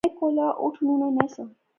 میں کولا اٹھنونا نہسا